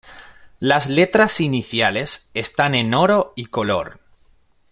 Las letras iniciales están en oro y color.